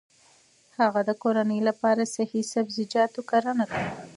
هغه د کورنۍ لپاره د صحي سبزیجاتو کرنه کوي.